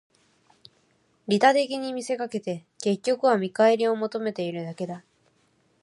利他的に見せかけて、結局は見返りを求めているだけだ